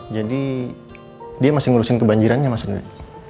jadi dia masih ngurusin kebanjirannya mas rendy